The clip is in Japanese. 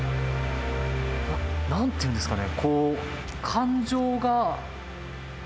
なんていうんですかね。